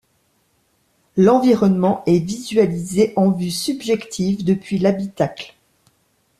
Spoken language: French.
L'environnement est visualisé en vue subjective depuis l'habitacle.